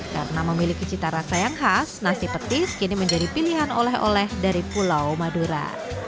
karena memiliki cita rasa yang khas nasi petis kini menjadi pilihan oleh oleh dari pulau madura